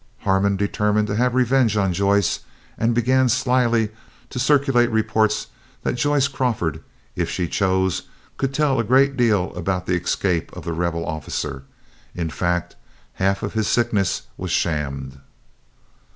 Harmon determined to have revenge on Joyce, and began slyly to circulate reports that Joyce Crawford, if she chose, could tell a great deal about the escape of the Rebel officer. In fact, half of his sickness was shammed.